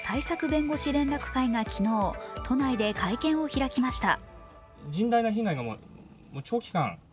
弁護士連絡会が昨日、都内で会見を開きました。